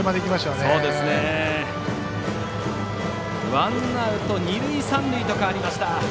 ワンアウト二塁、三塁と変わりました。